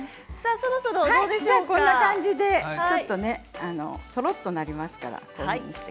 こんな感じでとろっとなりますから。